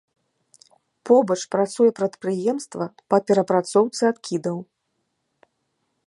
Побач працуе прадпрыемства па перапрацоўцы адкідаў.